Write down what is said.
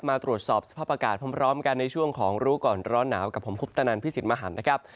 มาตรวจสอบสภาพอากาศพร้อมกันในช่วงของรู้ก่อนร้อนหนาวกับผมคุปตนันพิสิทธิ์มหันนะครับ